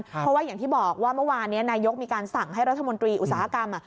เพราะว่าอย่างที่บอกว่าเมื่อวานนี้นายกมีการสั่งให้รัฐมนตรีอุตสาหกรรม